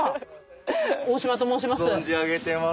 大島と申します。